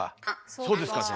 そうですか先生。